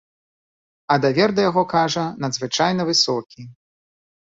А давер да яго, кажа, надзвычайна высокі.